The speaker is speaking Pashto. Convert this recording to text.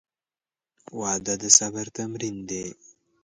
• واده د صبر تمرین دی.